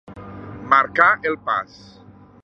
Marcar el pas.